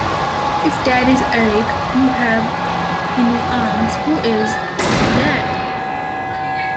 If that is Erik you have in your arms, who is — that?